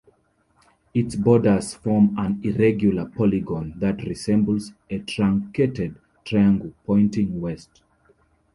Its borders form an irregular polygon that resembles a truncated triangle pointing west.